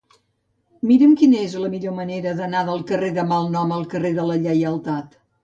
Mira'm quina és la millor manera d'anar del carrer del Malnom al carrer de la Lleialtat.